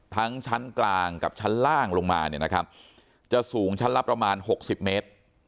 ทั้งชั้นกลางกับชั้นล่างลงมาจะสูงชั้นละประมาณหกสิบเมตร